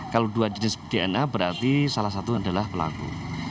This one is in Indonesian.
kalau dua jenis dna berarti salah satu adalah pelaku